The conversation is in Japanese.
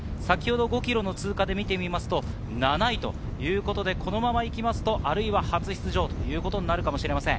５ｋｍの通過で見てみると、７位ということでこのまま行くと初出場ということになるかもしれません。